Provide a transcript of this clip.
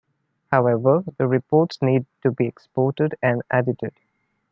However, the reports need to be exported and edited.